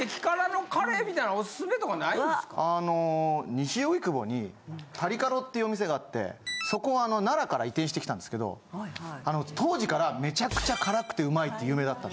西荻窪にタリカロっていうお店があってそこは奈良から移転してきたんですけど当時からめちゃくちゃ辛くてうまいって有名だった。